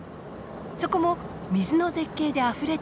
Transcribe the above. そこも水の絶景であふれています。